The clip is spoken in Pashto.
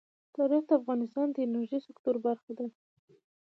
تاریخ د افغانستان د انرژۍ سکتور برخه ده.